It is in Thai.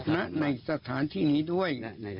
ณในสถานที่นี้ด้วย